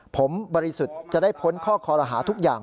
ผมบริสุทธิ์จะได้พ้นข้อคอรหาทุกอย่าง